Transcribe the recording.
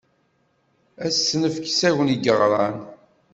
Ad tt-nefk s Agni Ggeɣran.